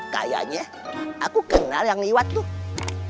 kayaknya aku kenal yang lewat tuh